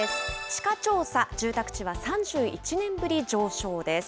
地価調査、住宅地は３１年ぶり上昇です。